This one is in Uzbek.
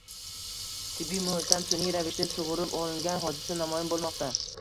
tabiiy muhitdan sun’iy ravishda sug‘urib olingan hodisa namoyon bo‘lmoqda.